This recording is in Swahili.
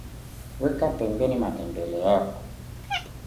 Weka pembeni matembele yako